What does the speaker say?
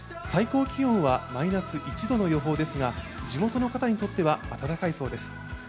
最高気温はマイナス１度の予報ですが、地元の方にとっては暖かいそうです。